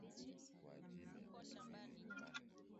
kutokana na makundi ya lugha hizi